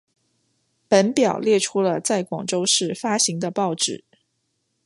本表列出了在广州市发行的报纸。